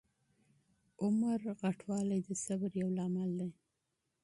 عمر ډېروالی د صبر یو لامل دی.